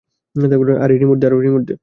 আরে রিমোট দে।